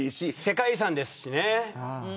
世界遺産ですしね。